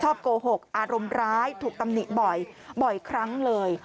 โกหกอารมณ์ร้ายถูกตำหนิบ่อยบ่อยครั้งเลย